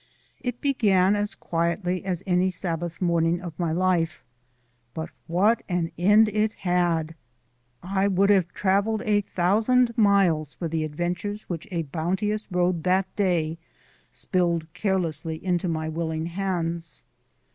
It began as quietly as any Sabbath morning of my life, but what an end it had! I would have travelled a thousand miles for the adventures which a bounteous road that day spilled carelessly into my willing hands.